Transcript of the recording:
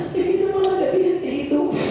seperti semuanya tapi nanti itu